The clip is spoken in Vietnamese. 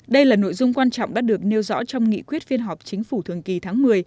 đây là nội dung quan trọng đã được nêu rõ trong nghị quyết phiên họp chính phủ thường kỳ tháng một mươi